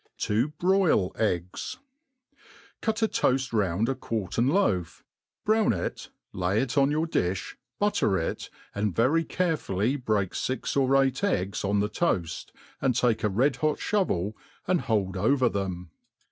7S broil Eggs. CUT a toafl round a quartern loaf, brown it, lay it on your dtfii, buttec it, and very caVefuQy break fix or eight eggs on the toafts and take a red hat fl^ovd, and hold over cfrem.